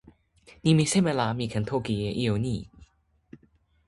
nimi seme la mi ken toki e ijo ni?